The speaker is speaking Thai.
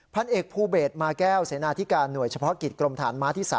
พันเอกภูเบศมาแก้วเสนาธิการหน่วยเฉพาะกิจกรมฐานม้าที่๓